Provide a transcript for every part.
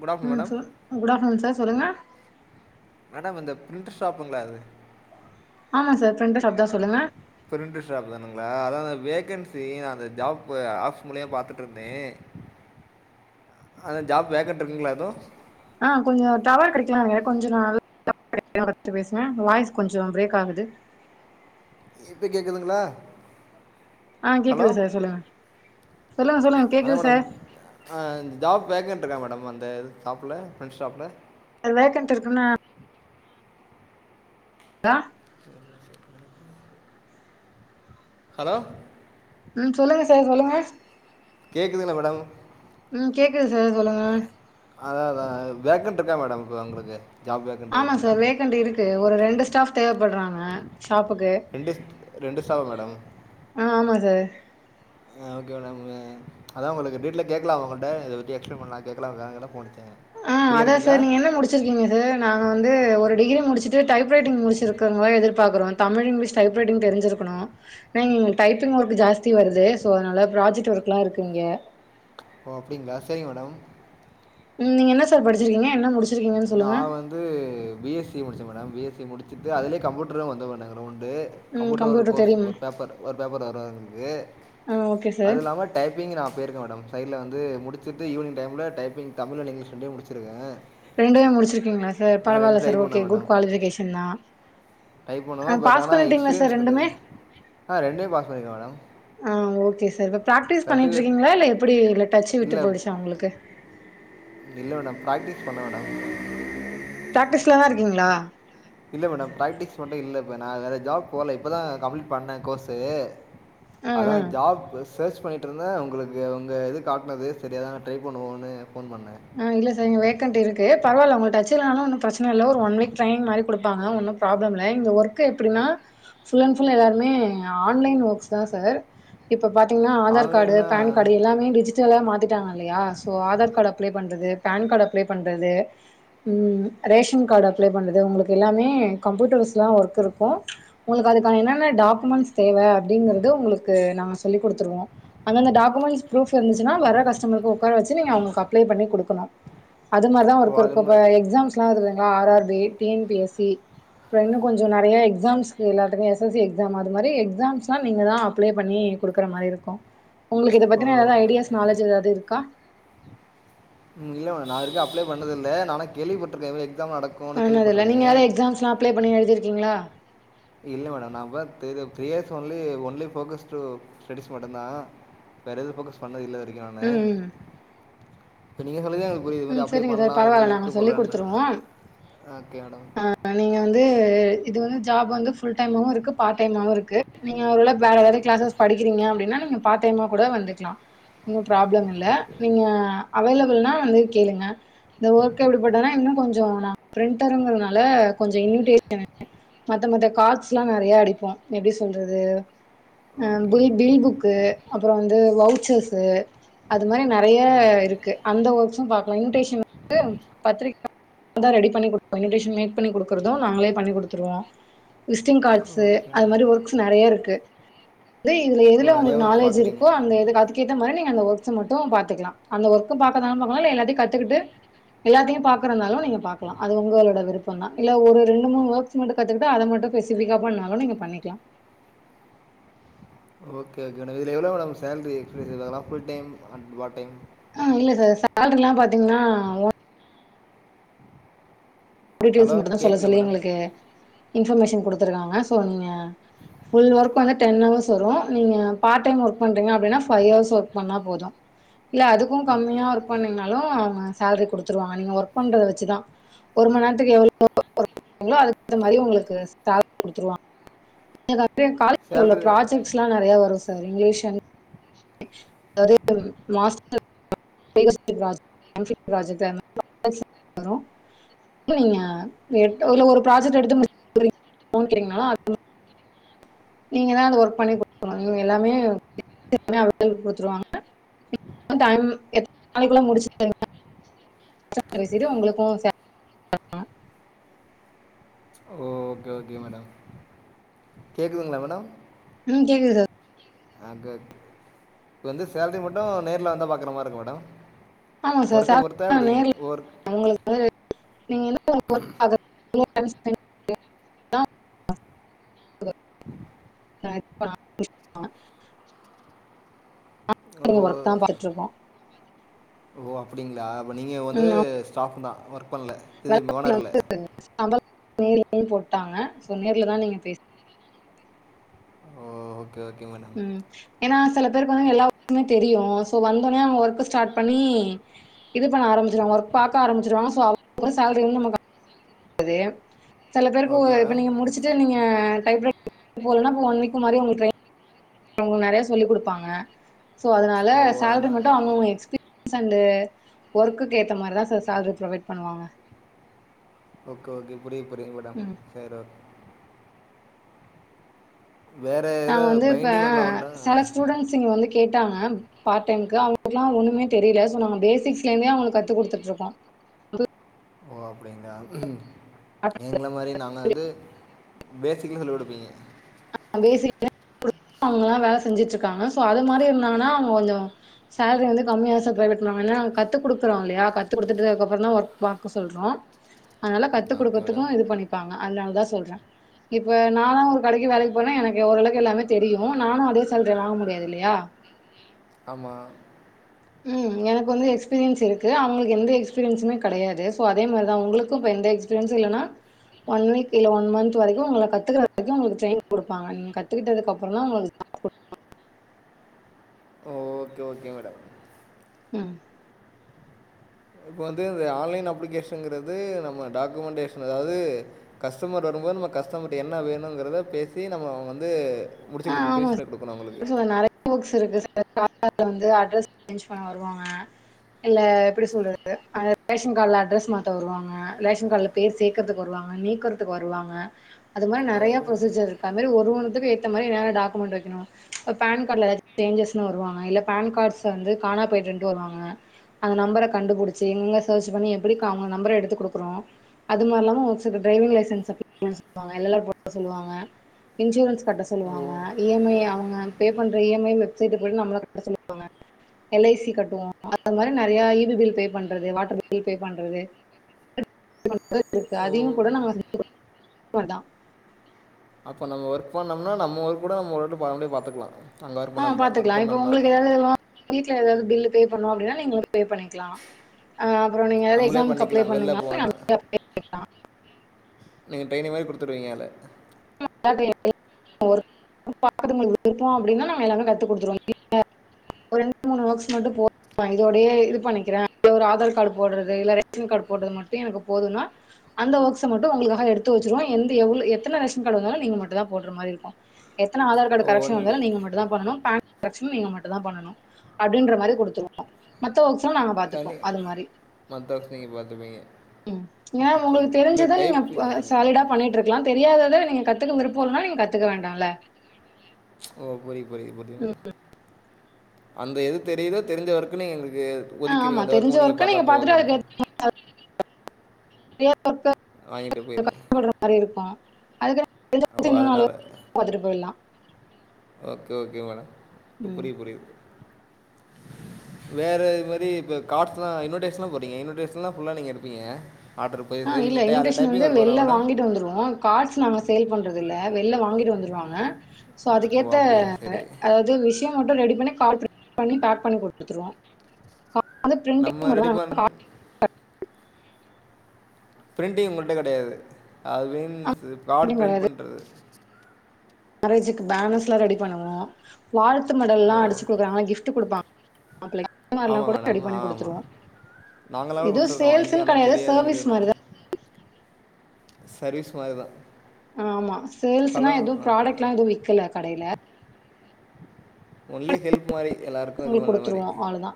Good afternoon ம் madam சொ good afternoon sir சொல்லுங்க மேடம் இந்த பிரிண்டர் ஷாப்புங்க்ளா அது ஆமா சார் பிரெண்ட்ர் ஷாப் தான் சொல்லுங்க பிரிண்டர் ஷாப் தானுங்ளா அதா அந்த வேகன்சி நா அந்த ஜாப்பு ஆப்ஸ் மூலிய பாத்துட்ருந்தே அந்த ஜாப் வேகன்ட் இருக்குங்ளா எது ஆ கொஞ்சோ டவர் கெடைக்கலானுங்க கொஞ்ச நாள் [inaudible] பேசுவே வாய்ஸ் கொஞ்சோ ப்ரேக் ஆகுது இப்ப கேக்குதுங்ளா ஆ கேக்குது சார் சொல்லுங்க சொல்லுங்க சொல்லுங்க கேட்குது சார் அ ஜாப் வேகண்ட் இருக்கா மேடம் அந்த ஷாப்ல ஃப்ரெண்ட்ஸ் ஷாப்ல அது வேக்கண்ட் இருக்குன்னா ஆ ஹலோ ம் சொல்லுங்க சார் சொல்லுங்க கேட்கதுங்ளா மேடம் ம் கேக்குது சார் சொல்லுங்க அதாதா வேக்கண்ட் இருக்கா மேடம் இப்போ உங்குளுக்கு ஆமா சார் வேகண்ட் இருக்கு ஒரு ரெண்டு ஸ்டாஃப் தேவப்படுறாங்க ஷாப்புக்கு ரெண்டு ரெண்டு ஸ்டாஃபா மேடம் ஆ ஆமா சார் ஆ ஓகே மேடம் அ அதா உங்குளுக்கு டீட்டெய்ல கேட்கலா உங்கள்ட்ட இத பத்தி எக்ஸ்ப்ளைன் பண்லா கேட்கலாங்காகதா ஃபோன் த்த ஆ அதா சார் நீங்க என்ன முடிச் ச்சிருக்கீங்க சார் நாங்க வந்து ஒரு டிகிரி முடிச்சுட்டு டைப் ரைட்டிங் முடிச்சிருக்கவங்கள எதிர்பார்க்கறோ தமிழ் இங்கிலீஷ் டைப் ரைட்டிங் தெரிஞ்சிருக்குணு ஏன இங் டைப்பிங் ஒர்க்கு ஜாஸ் த்தி வருது சோ அத்னால ப்ராஜெக்ட் ஒர்க்ல்லா இருக்கு இங்க ஓ அப்டிங்ளா செரிங் மேடம் உம் நீங்க என்ன சார் படிச்சிருக்கிங்க என்ன முடிச் நா வந் ந்து பி எஸ் சி முடிச்சே மேடம் பி எஸ் சி முடிச்சுட்டு அதுலயே கம்ப்யூட்டரு வந்துரு [unintelligible] உண்டு ம் கம்ப்யூட்டர் ஒரு கோர்ஸ் தெரியும். ஒரு பேப்பர் ஒரு பேப்பர் வரு எங்களுக்கு ஆ ஓகே சார். அது இல்லாம டைப்பிங் நான் போயிருக்கே மேடம் சைட்ல வந்து முடிச்சுட்டு ஈவினங் டைம்ல டைப்பிங் தமிழ் அன் இங்கிலீஷ் ரெண்டையு முடிச்சிருக்கே ரெண்டுமே முடிச்சிருக்கீங்களா சார் பரவாயில்ல சார் டைப் ஓகே பண்ணேன் குட் மேடம் குவாலிபிகேஷன் தா டைப் பண்ணுவே பட் ஆனா எக்ஸ்பீரியன்ஸ் ரெண்டுமே? கிடையாது ஆ ரெண்டையும் பாஸ் பண்ணிருக்கே மேடம் ஆ ஓகே சார் இப்ப ப பிராக்டிஸ் பண்ணிட்டு சர்டிஃபிகேட் இருக்கீங்களா இல்ல எப்படி இ டச்சு விட்டு இல்லை போயிடுச்சா உங்களுக்கு இல்ல மேடம் பிராக்டிஸ் பண்ணு மேடம் பிராக்டிஸ்ல தா இருக்கீங்களா இல்ல மேடம் பிராக்டிஸ் மட்டு இல்ல இப்ப நான் வேற ஜாப் போகல இப்போதா கம்ப்ளீட் பண்ணே கோர்ஸு ஆ அதா ஆ ஜாப்ஸ் சர்ச் பண்ணிட்டுருந்தே உங்களுக்கு உங்க இது காட்டினது சேரி அதா நா ட்ரை பண்ணுவோம்ன்னு ஃபோன் பண்ணே ஆ இல்ல சார் இங்க வேக்கண்ட் இருக்கு பரவாயில்ல உங்களுக்கு டச்சு இல்லனாலு ஒன்னும் பிரச்சனை இல்லை ஒரு ஒன் வீக் ட்ரைனிங் மாதிரி குடுப்பாங்க ஒன்னு ப்ராப்ளம் இல்ல இந்த ஒர்க் எப்டின்னா ஃபுல் அண்ட் ஃபுல் எல்லாருமே ஆன்லைன் ஒர்க்ஸ் தா சார் இப்ப பாத்தீங்கன்னா ஆதார் கார்டு ஆன்லைன்னா பேன் கார்டு எல்லாமே டிஜிட்டலா மாத்திட்டாங்க இல்லையா சோ ஆதார் கார்ட அப்ளை பண்றது பேன் கார்டு அப்ளை பண்றது ம் ரேஷன் கார்டு அப்ளை பண்ணுறது உங்களுக்கு எல்லாமே கம்ப்யூட்டர்ஸ்லா ஒர்க் இருக்கு உங்களுக்கு அதுக்கான என்னென்ன டாக்குமெண்ட்ஸ் தேவை அப்படிங்கறது உங்களுக்கு நாங்க சொல்லி் குடுத்துருவோ அந்த அந்த டாக்குமெண்டஸ் ப்ரூஃப் இருந்துச்சுன்னா வர கஸ்டமருக்கு உக்கார வச்ச நீங்க அவுங்க ப்ளே பண்ணி குடுக்கணு அது மாரி தா ஓ ஒருக்க அது இருக்கு இப்ப மாரி எக்ஸாம்ஸ் வருது இல்லங்க R R B T N P S C அப்றோ இன்னு கொஞ்சோ நெறைய எக்ஸாம்சுக்கு எல்லாருக்கு எஸ் எஸ் சி எக்ஸாம் அது மாரி எக்ஸாம்லா நீங்க தா அப்ளே பண்ணி குடுக்குற மாரி இருக்கு உங்களுக்கு இத பத்தினா எதா ஓகே ஐடியாஸ் நாலேஜ் எதாச்சு இருக்கா ம் இல்ல‌ ப்ரோ நா இதுவரைக்கு அப்ளை பண்ணதில்லா நானா கேள்விபட்டிருக்கே எக்ஸாம் நடக்குனு பண்ணதில்ல நீங்க கேள்விப்பட்டிருக்கே ஏதாவது எக்ஸாம்ஸ்லா அப்ளை பண்ணி எழுதியிருக்கீங்களா இல்லை மேடம் நான் three years only only focused studies மட்டுந்தா வேற எது போக்கஸ் பண்ணது இல்ல இதுவரைக்கு நான்னு ம் ம் இப்ப நீங்க சொல்லிதா எங்களுக்கு ஓ இதுமாரி ம் அப்பளை சரிங்க பண்லா சார் பரவால்ல இதுமாரி நாங்க இருக்கு சொல்லி போலனு குடுத்துருவோ ஓகே மேடம் நீங்க வந்து இது வந்து ஜாப் வந்து ஃபுல் டைமாவு இருக்கு பார்ட் டைமாவு இருக்கு நீங்க ஒரு வேளை வேறதாவது ஓகே கிளாசஸ் படிக்கிறீங்க அப்படின்னா நீங்க பார்ட் தைமா கூட வந்துக்கலா ஒன்னு ப்ராப்ளம் இல்ல நீங்க அவைலபிள்னா வந்து கேளுங்க இந்த ஒர்க் எப்படிப்பட்டதுனா இன்னு கொஞ்ச நான் பிரண்டர்ங்கிறதுனால கொஞ்ச இன்விடேஷன் மத்த மத்த காட்ஸ்ல்லா நறைய அடிப்போ எப்படி சொல்றது ஆ ஓகே பில் பில் புக்கு அப்புற வந்து வவுச்சர்ஸு அது மாரி நறைய ஓகே ஓகே இருக்கு அந்த ஓர்க்குஸும் பா இன்விடேஷன் வந்து பத்திரிக்கை ரெடி பண்ணி கொடுப்போ இன்விடேசன் மேக் பண்ணி குடுக்குறது நாங்ளே பண்ணி குடுத்துருவோ விஸ்ட்டிங் காட்ஸ்ஸு ஓகே அது மேடம் மாரி ஒர்க்ஸ் நறைய இருக்கு இந்த ஓ எதுல நிறையா உங்ளுக்கு ஒர்க்ஸ் நாலேஜ் பார்க்குறீங்க இருக்கோ அந்த எத காத் கேத்தமாரி நீங்க அந்த ஒர்கஸ் மட்டு பாத்துக்கலா அந்த ஒர்க்க பாக்றது பாக்கலா எல்லாத்தயு கத்துக்கிட்டு எல்லாத்தையு பாக்குறனாலு நீங்க பாக்கலா அது உங்களோட விருப்பந்தா இல்ல ஒரு ரெண்டு மூணு வேட்ஸ் மட்டு கத்துக்கிட்டு அதை மட்டு நீங்க பெசிஃபிக்கா பண்ணாலு நீங்க பண்ணிக்கலா ஓகே ஓகே மேடம் இது எவ்வளோ மேம் சாலரி எக்ஸ்பசிவ் full time and part time ஆ இல்ல சார் சேலரி எல்லா பாத்தீங்கன்னா டிட்டியெல்ஸ் ஹலோ மட்டு தா சொல்ல கேட்கல சொல்லி மேடம் எங்களுக்கு இன்ஃபர்மேஷன் குடுத்திருக்காங்க சோ நீங்க ஃபுல் ஒர்க் வந்து பண்ணா டென் ஹவர்ஸ் வரு நீங்க பார்ட் டைம் ஒர்க் பண்றீங்க அப்டினா ஃபை ஹர்ஸ் ஒர்க் பண்ணா போது இல்ல அது க்கு ஓகே கம்மியா ஒர்க் பண்ணீங்னாலு அவுங்க சேல்ரி குடுத்துருவாங்க நீங்க ஒர்க் பண்றத வெச்சிதா ஒரு மண்நேரத்துக்கு எவ்ளோ ஒர்க் பண்றிங்களோ அதுக்கு தகுந்த மாரி உங்களுக்கு சேல்ரி குடுத்துருவாங்க எதாவது காலேஜ்ல உள்ள சேலரி ப்ராஃஜெக்ட்ஸ்லா நறைய வரு sir English and [unintelligible] master [unintelligible] project அந்த [inaudible] வரு நீங்க இல்ல ஒரு ஃப்ராஜெக்ட் எடுத்து மிஸ் [inaudible] நீங்க தா அந்த ஒர்க் பண்ணி குடுக்கனு நீங்க எல்லாமே அவங்களே குடுத்துருவாங்க ம் டைம் எத்தன நாளைக்குள்ள முடிச்சிறுவிங்க சட்டுனு சிறு உங்களுக்கு சால் ஓகே ஓகே மேடம் கேக்குதுங்களா மேடம் ம் கேக்குதுடா ஆகக் இப்ப வந்து சேல்ரி மட்டு நேர்ல வந்தா பாக்குரமாரி இருக்கு மேடம் ஆமா சார் ஒர்க்க பொருத்தா சேலரி எப்டி நேர்ல ஒர்க் உங்களுக்கு நீங்க என்ன ஒர்க் பாக்க [unintelligible] நாங்களு ஒர்க் தா ஓ பாத்துட்டு இருக்கோ ஓ அப்டிங்களா அப்போ நீங்க வந்து ம் ஸ்டாஃப் தா ஒர்க் பண்ல [inaudible] போட்டாங்க சோ நேர்லதா நீங்க பேசணு ஓ ஓகே ஓகே மேடம் ம் ஏனா சில பேருக்கு வந்து எல்லா வர்க்குமே தெரியு சோ வந்தோனே அவுங்க ஒர்க்க ஸ்டார்ட் பண்ணி இது பண்ண ஆரம்பிச்சிருவாங்க ஒர்க் பாக்க ஆரம்பிச்சிருவாங்கோ சோ அவுங்க சேல்ரி வந்து நமக்கு [unintelligible] சில பேருக்கு ஓகே இப்ப மேடம். நீங்க முடிச்சிட்டு நீங்க டைப்ரெட்டிங் போலனா ஒன் வீக் மாரி உங்களுக் ட்ரைனிங் அவுங்க நறைய சொல்லி குடுப்பாங்க சோ அதனால ஓ! சேல்ரி அதனால. மட்டு அவுங்கங்க எக்ஸ்பீ ன்ஸ் அண்ட் ஒர்க்குக்கு ஏத்த மாரி தா சார் சேல்ரி ப்ரொவைட் பண்ணுவாங்க ஓகே ஓகே புரியுது புரியுது மேடம் ம் [unintelligible] வேற நாங்க ஏதா வந்து இப்ப பைண்டிங் ஒர்க்லாம் உண்டா? செல ஸ்டூடெண்ட்ஸ்ங்க வந்து கேட்டாங்க பார்ட்டைம்க்கு அவங்களுக்குலா ஒன்னுமே தெரியல ஸோ நாங்க பேசிக்ஸ்லருந்தே அவுங்களுக் கத்துக் குடுத்துட்டு இருக்கோ ஓ அப்டிங்களா எங்கள மாரி நாங்க வந்து பேசிக்கலி [unintelligible] பேசிக் [inaudible] அவங்கல்லா வேல செஞ்சிட் இருக்காங்க சோ அத மாரி இருந்தாங்கனா அவங்க கொஞ்சோ சேல்ரி வந்து கம்மியா சார் பிரவேட் பண்ணுவாங்க ஏனா கத்து குடுக்குறோ இல்லையா கத்து குடுத்துட்டு அதுக்கப்புறோதா ஒர்க் பாக்க சொல்றோ அதனால கத்து ஓகே குடுக்கறதுக்கு மேடம். இது பண்ணிப்பாங் அதனாலதா சொல்றே இப்ப நானா ஒர் கடைக்கு வேலைக்கு போனா எனக்கு ஓரளவுக்கு எல்லாமே தெரியு நானு அதே சால்ரிய வாங்க முடியாது இல்லையா ஆமா ம் எனக்கு வந்து எக்ஸ்பீரியன்ஸ் இருக்கு அவுங்களுக்கு எந்த எக்ஸ்பீரியன்சுமே கடையாது சோ அதே மாரிதா உங்களுக்கு இப்ப எந்த எகஸ் பிரியன்ஸ் இல்லனா ஒன் வீக் இல்ல ஒன் மந்த் வரைக்கு உங்கள கத்துக்குற வரைக்கு உங்களுக்கு ட்ரெயினிங் குடுப்பங்க நீங்க கத்துக்கிட்டதுக்கு அப்புறோ தா உங்களுக்கு ஓகே ஓகே மேடம் ம் இப்ப வந்து இந்த ஆன்லைன் அஃப்ளிகேஷன்ங்கிறது நம்ம டாக்குமெண்டேஷன் அதாவது கஸ்டமர் வரும்போது நம்ம கஸ்டமர்ட என்ன வேணுங்குறத பேசி நம்ம அவுங்க வந்து முடிச்சி குடுக்கு பேஷ்பேக் குடுக்கனு அவுங்களுக்கு ஓக்ஸ் இருக்கு சார் பாப்பாக்கு வந்து அட்ரஸ் சேன்ஞ் பண்ண வருவாங்க இல்ல எப்படி சொல்றது அந்த ரேஷன் கார்டுல அட்ரஸ் மாத்த வருவாங்க ரேஷன் கார்ட்ல பேர் சேக்கறதுக்கு வருவாங்க நீக்கறத்துக்கு வருாங்க அது மாரி ஓ நறைய ப்ரோசிஜர் இருக்கு அதுமாரி ஒரு ஒண்ணுத்துக்கு இந்த மாரி நேரா டாக்குமண்ட் வைக்கணு இப்ப பேன் காட்ல எதாச்சு சேஞ்சஸ்ன்னு வருவாங்க இல்ல பேன் கார்ட்ஸ் வந்து காணா போயிட்டுன்ட்டு வருவாங்க அந்த நம்பர கண்டுபுடிச்சி எங்க சேர்ச் பண்ணி எப்புடிக்கா அவுங்க நம்பர எடுத்து குடுக்கணு அது மார்லா இல்லாம்ம ஒரு சில ட்ரவிங் லைசன்ஸ்ஸ [unintelligible] சொல்லுவாங்க எல் எல் ஆர் போட சொல்லுவாங்க இன்சூரன்ஸ் கட்ட சொ ஓ சொல்லுவாங்க இ எம் ஐ அவுங்க பே பண்ற இ எம் ஐ வெப்சைட்ல பொயிட்டு நம்மள கட்ட சொல்லுவாங்க எல் ஐ சி கட்டுவோ அது மாரி நெறையா இ பில் பே பண்றது வாட்ரு பில் பே பண்றது [inaudible] இருக்கு ஓ அதையு கூட நா செஞ்சு குடுத் மாரிதா அப்போ நம்ம ஒர்க் பண்ணோம்னா நம்ம ஒர்க் கூட நம்ம ஒரெட்டு பா நம்ளே பாத்துக்கலா ஆ பாத்துக்கலா இப்ப உங்களுக்கு எதாவது வ வீட்ல எதாவது பில்லு பே பண்ணனு அப்டின்னா நீங்களே பே பண்ணிக்லா அ அப்றோ நீங்க எதாவது நம்மளே எக்ஸாம்கு அப்ளை பண்ணிக்கலாம் வெளில பண்ணுங்விங்கனாலு போனா அதுல அப்ளை பண்ணிக்லா நீங்க ட்ரெனிங் மாரி குடுத்துருவீங்கல்ல [inaudible] ஒர்க் பாக்குறது உங்களுக்கு விருப்போ அப்டின்னா நாங்க எல்லாமே கத்துக் குடுத்துருவோ [unintelligible] ஒரு ரெண்டு மூணு ஒர்க்ஸ் மட்டு போ நா இதோடையே இது பண்ணிக்கிறே அப்டி ஒரு ஆதார் கார்டு போட்றது இல்ல ரேஷன் கார்டு போட்றது மட்டு எனக்கு போதுன்னா அந்த ஒர்க்ஸ மட்டு உங்களுக்காக அத எடுத்து வச்சுருவோ எந்த எவ்ளோ எத்தன ரேஷ் ஷன் கார்டு வந்தாலு நீங்க மட்டுந்தா போட்ற மாரி இருக்கு எத்தன ஆதார் கார்டு ஓ கரெக்ஷன் ஒன்லி வந்தாலு நீங்க மட்டுந்தா பண்ணனு பேன் கரெக்ஷனு நீங்க மட்டுந்தா பண்ணனு அப்டின்ற மாரி குடுத்துருவோ மத்த ஒர்க்ஸ்லா நாங்க பாத்துப்போ தனி அது மாரி மற்ற நீங்கள் பார்த்துப்பீங்க ம் ஏன்னா ஓகே உங்களுக்கு ஓகே இல்லை தெருஞ்சுதா நீங்க டைப் ப சாலிடா பண்ணிட்ருக் க்லா தெரியாதத நீங்க கத்துக்க விருப்போ இல்லனா நீங்க கத்துக்க வேண்டால்ல ஓ புரிது புரிது புரியுது மேம் அந்த எது தெரியுதோ தெரிஞ்ச ஒர்க்கு நீங்க எங்களுக்கு ஆ, ஆமா ஒதிக்கிருவீங்க இந்த தெரிஞ்ச வொர்க்க நீங்க ஒர்க்கை பாத்தா பார்த்துட்டு போதுன்னு அதுக்கு [inaudible] வாங்கிட்டு போய்ருவே மாரி இருக்கு ஓ அதுக்கு [inaudible] இன்னு நாலு அதனால் பாத்துட்டு போய்ட்லா ஓகே ஓகே மேடம் இப்ப ம் புரியுது புரியுது வேற இது மாரி இப்ப கார்ட்ஸ்லா இன்வுடேஷன்லா போட்றீங்க இன்வுட்டேஷன்லா ஃபுல்லா நீங்க எடுப்பீங்க ஆட்ரு போய் [unintelligible] இட்டே அதுக்கு டைப்பிங் ஒர்க்கு வருவாங்க மேடம் தந்துருவோம் கார்ட்ஸ் நாங்க சேல் பண்றது இல்ல வெளில வாங்கிட்டு வந்துரு வாங்க சோ ஓ அதுக்கேத்த அப்படியா சரி அதாது து விஷ்யம் மட்டும் ரெடி பண்ணி கார்ட் ப்ரிண்ட் பண்ணி பேக் பண்ணி குடுத்துருவோ கார்ட் அது பிரிண்டிங் ரெடி மட்டுந்தா பண் நம்ம கார்ட பிரிண்டிங் உங்க கிட்ட கெடையாது அது மீன்ஸ்சு இப்ப கார்டு பிரிண்டிங் பிரிண்ட் கிடையாது. பண்றது மேரேஜுக்கு பேனர்ஸ்லா ரெடி பண்ணுவோ வாழ்த்து மெடல்லா அடிச்சு குடுக்குறாங்கள கிப்ட் குடுப்பாங் ஆமா மேடம் ஆ ஆமா குடுத்துருவோம். நாங்களாவே எதுவும் குடுத்துருக்கோ வாங்கி சேல்ஸ்ன்னு ஆனா கிடையாது. தெரியாது சர்வீஸ் எங்களுக்குனா மாரி தான். சர்வீஸ் மாரிதா ஆ ஆமா சேல்ஸ்னுதா எதுவு ஓகே ப்ராடக்ட்லா எதுவு விக்கல கடையில ஒன்லி ஹெல்ப் மாரி எல்லாருக்கு இது உங்களுக்கு பண்ற மாரி குடுத்துருவோம் அவ்ளோதான்.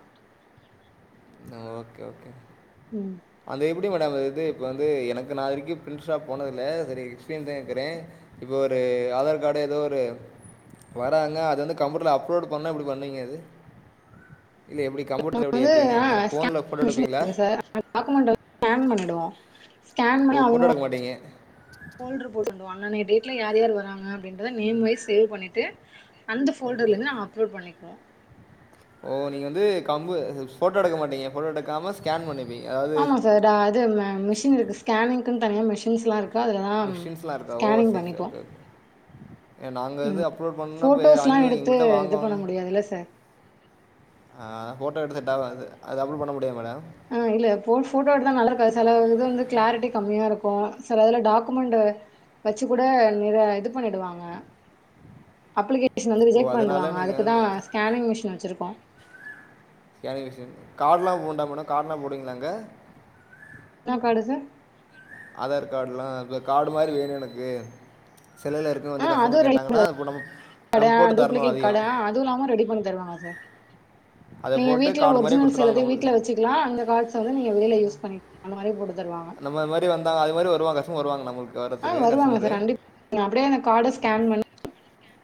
ஆ ஓகே ஓகே ம் அந்த எப்டி மேடம் அது இப்ப வந்து எனக்கு நா இது வரைக்கு பிரிண்ட் ஷாப் போனதுல்ல செரி எக்ஸ்பீரியன்ஸா இருக்குறே இப்போ ஒரு ஆதார் கார்டு எதோ ஒரு வராங்க அது வந்து கம்ப்யூட்டரில அப்லோட் பண்ணா எப்டி பண்ணுவீங்க அது இல்ல எப்டி கம்யூட்டில்டி வந்து ஏத்துவீங்க ஃபோன்ல போட்ட எடுப்பீங்களா டாக்குமெண்ட வந்து ஸ்கேன் பண்ணிடுவோ ஸ்கேன் பண்ணி ஓ ஃபோட்டோ அவங்க எடுக்க மாட்டீங்க ஃபோல்டர் போட்டுக்குவாங்க இன்னிக்கு டேட்ல யார் யார் வராங்க அப்டின்றத நேம் வைஸ் சேவ் பண்ணிட்டு அந்த ஓகே ஃபோல்டர்லருந்து நாங்க அப்லோட் பண்ணிக்குவோ ஓ நீங்க வந்து கம்பு போட்டோ எடுக்க மாட்டீங்க போட்டோ எடுக்காம ஸ்கேன் பண்ணிப்பீங்க அதாவது அது மிஷின் இருக்கு ஸ்கேனிங்கு தனியா மிஷின்ஸ்ல்லா இருக் கு அதுலதா மிஷின்ஸ்லாம் இருக்கா ஓ ஸ்கேனிங் சரி சரி பண்ணிப்போ ஓகே ஓகே நாங்கள் இது ம் அப்லோட் பண்ணோம்னா இப்போ போட்டோஸ்ல்லா அங்கே எடுத்து எங்கள்கிட்ட இது பண்ண வாங்குவாங்க முடியாதுல்ல சார் ஆ ஃபோட்டோ எடுத்துட்டா அது அது அப்ட் பண்ண முடியாதா மேடம் ஆ இல்ல போ போட்டோ எடுத்தா நல்லாருக்காது சில இது வந்து கிளாரிட்டி கம்மியாக இருக்கு சில அதுல டாக்குமெண்ட் வெச்சு கூட நிற இது பண்ணிடுவாங்க அப்ளிகே ஷன் வந்து ஓ ரிஜக் அதனால் பண்ணிடுவாங்க நீங்கள் அதுக்குதா வந்து ஸ்கேனிங் மிஷின் வெச்சிருக்கோ ஸ்கேனிங் மிஷின் கார்ட்லா உண்டா மேடம் கார்ட்லா போடுவீங்களா மேடம் அங்க என்ன காடு சார் ஆதார் கார்டுலா இப்ப கார்டு மாரி வேணு எனக்கு செல்லுல இருக் ஆ வந்து அதுவு கஷ்டமர் ரெடி கேட்டாங்கன்னா அம் நம்ம கார்டு போட்டு தரணு டூப்ளிகேட் அதையு கார்டு இல்லாம ரெடி பண்ணி தருவாங்க சார் அதை நீங்க போட்டு வீட்ல கார்டு மாதிரியே ஒரிஜினல் கொடுத்துருவாங்க எல்லாத்துயு நம்மளுக்கு வீட்ல வெச்சு லா அந்த கார்ட்ஸ் வந்து நீங்க வெளில யூஸ் பண்ணிகலா அந்த மாரி போட்டு தருவாங்க அந்த மாதி வந்தா அது மாரி வருவங்க கஷ்டமர் வருவாங்க நம்மளுக்கு ஆ வர்றதுக்கு வருவாங்க கஸ்டமரு சார் [unintelligible] அப்டியே அந்த கார்ட ஸ்கேன் பண்ணி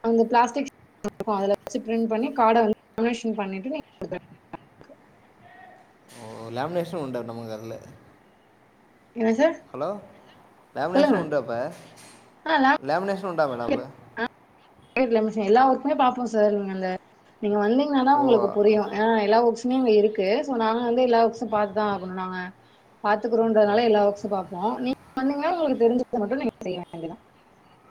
அந்த பிளாஸ்டிக் [unintelligible] அதுல வெச்சு பிரண்ட் பண்ணி காட வந்து லேமினேஷன் பண்ணிட்டு ஓ லேமினேஷனு உண்ட நம்ம கடைல என்ன சார் ஹலோ சொல்லுங்க லேமினேஷன் உண்டாப்பா ஆ லேமினேஷன் உண்டா மேடம் அப்ப எல்லா ஒர்க்குமே பாப்போ சார் அங்க நீங்க ஆ நீங்க வந்தீங்ன்னா தா ஓ உங்களுக்கு புரியு எல்லா ஒர்க்ஸ் [unintelligible] நா வந்து எல்லா ஒர்க்ஸ்சு பாத்துதா ஆகனு நாங்க ஓகே பாத்துக்கிறோம்ன்றால எல்லா ஒர்க்ஸ்சு பாப்போ நீ வந்தீங்கன்னா உங்களுக்கு தெரிஞ்சத மட்டு நீங்க செய்ய வேண்டியத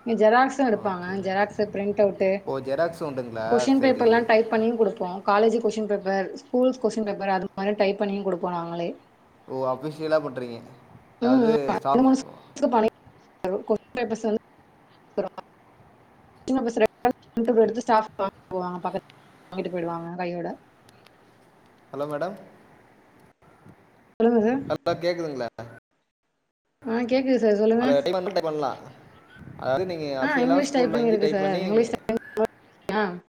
இங்க ஜெராக்ஸ்சு எடுப்பாங்க ஓகே ஜெராக்ஸ் பிரிண்ட் அவுட்டு ஓ ஜெராக்ஸ் உண்டுங்களா கொஸ்டின் பேப்பர் சரி எல்லா டைப் பண்ணியு குடுப்போ college question paper schools question paper அது மாரி டைப் பண்ணியு குடுப்போ நாங்களே ஓ அஃபிஷியலா பண்ணுறீங்க அதாவது ஸ்டாஃப் [unintelligible] கொஸ்டின் பேப்பர்ஸ் வந்து [unintelligible] வாங்கிட்டு போயிடுவாங்க கையோட ஹலோ மேடம் சொல்லுங்க சார் ஹலோ கேக்குதுங்களா ஆ கேக்குது சார் சொல்லுங்க [unintelligible] பண்லா அதாவது நீங்க ஆ [unintelligible] இங்கிலீஷ் ஸ்கூல் டைப்பிங் வாங்கி இருக்கு டைப் சார் பண்ணி நீங்க [unintelligible]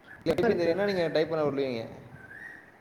[unintelligible] டைப்பிங் இருக்கு நீங்க டைப் பண்ண விடுவீங்க